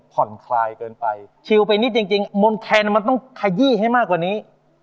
ผ่อนคลายเกินไปชิลไปนิดจริงมนแคนมันต้องขยี้ให้มากกว่านี้